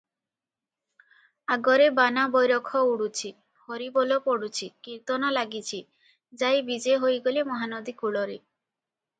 ଆଗରେ ବାନା ବୈରଖ ଉଡୁଛି, ହରିବୋଲ ପଡ଼ୁଛି, କୀର୍ତ୍ତନ ଲାଗିଛି, ଯାଇ ବିଜେ ହୋଇଗଲେ ମହାନଦୀ କୂଳରେ ।